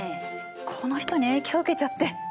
この人に影響受けちゃって。